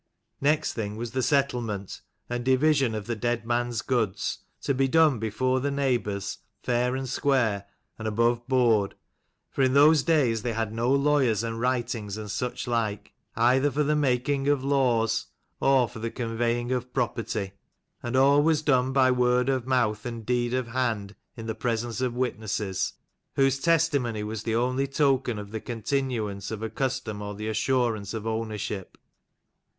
Next thing was the settlement, and division of the dead man's goods ; to be done before the neighbours, fair and square and above board : for in those days they had no lawyers and writings and such like, either 158 for the making of laws or for the con ve) ing of property, and all was done by word of mouth and deed of hand in the presence of witnesses, whose testimony was the only token of the continuance of a custom or the assurance of ownership.